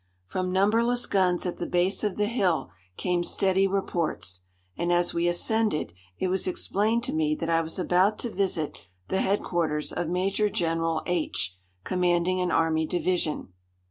From numberless guns at the base of the hill came steady reports, and as we ascended it was explained to me that I was about to visit the headquarters of Major General H , commanding an army division.